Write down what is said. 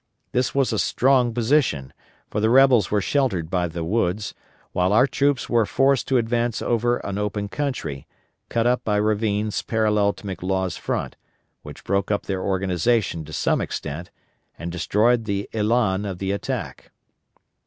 This was a strong position, for the rebels were sheltered by the woods, while our troops were forced to advance over an open country, cut up by ravines parallel to McLaws' front, which broke up their organization to some extent, and destroyed the elan of the attack.